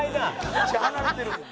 めっちゃ離れてる。